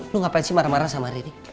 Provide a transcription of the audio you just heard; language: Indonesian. lo ngapain sih marah marah sama riri